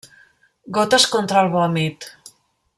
Gotes contra el vòmit.